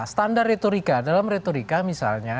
standar retorika dalam retorika misalnya